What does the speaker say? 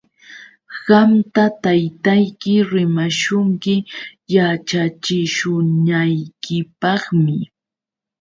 Qamta taytayki rimashunki yaćhachishunaykipaqmi.